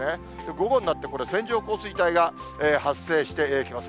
午後になってこれ、線状降水帯が発生してきます。